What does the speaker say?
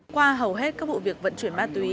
qua hầu hết các vụ việc vận chuyển ma túy